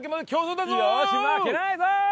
よし負けないぞ！